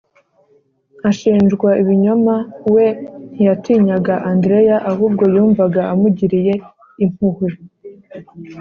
Ashinjwa ibinyoma we ntiyatinyaga andrea ahubwo yumvaga amugiriye impuhwe